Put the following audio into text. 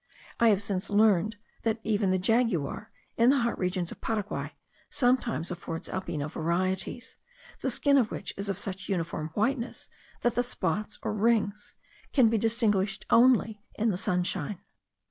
I have since learned, that even the jaguar, in the hot regions of Paraguay, sometimes affords albino varieties, the skin of which is of such uniform whiteness that the spots or rings can be distinguished only in the sunshine.